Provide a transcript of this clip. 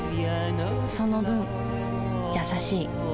その分優しい